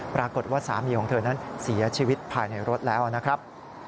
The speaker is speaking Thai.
ปรากฏว่าสามีของเธอนั้นเสียชีวิตภายในรถแล้วนะครับ